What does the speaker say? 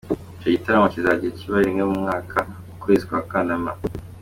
Icyo gitaramo kikazajya kiba rimwe mu mwaka mu kwezi kwa Kanama.